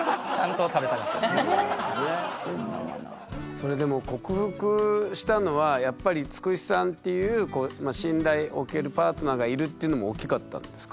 それでも克服したのはやっぱりつくしさんっていう信頼おけるパートナーがいるっていうのも大きかったんですか？